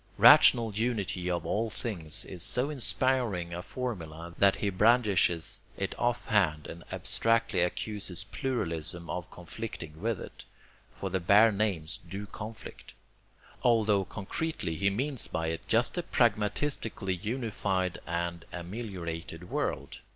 "Rational unity of all things" is so inspiring a formula, that he brandishes it offhand, and abstractly accuses pluralism of conflicting with it (for the bare names do conflict), altho concretely he means by it just the pragmatistically unified and ameliorated world.